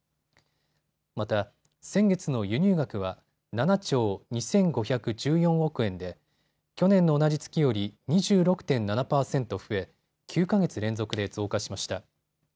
また先月の輸入額は７兆２５１４億円で去年の同じ月より２６．７％増え９か月連続で増加しました。